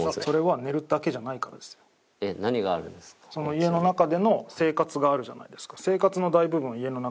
家の中での生活があるじゃないですか。